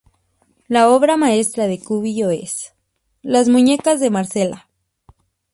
La obra maestra de Cubillo es "Las muñecas de Marcela".